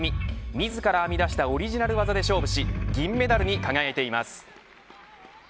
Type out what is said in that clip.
自ら編み出したオリジナル技で勝負し銀メダルに輝いています。